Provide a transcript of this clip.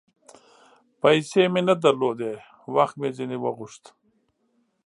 پیسې مې نه درلودې ، وخت مې ځیني وغوښت